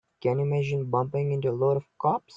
Can you imagine bumping into a load of cops?